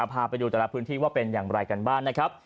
พาไปดูแต่ละพื้นที่ว่าเป็นอย่างไรกันบ้างนะครับ